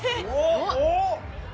おっ！